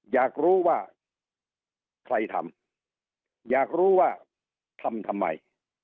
อยากรู้ว่าใครทำอยากรู้ว่าทำทำไม